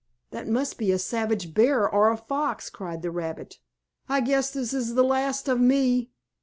"That must be a savage bear or a fox!" cried the rabbit. "I guess this is the last of me!"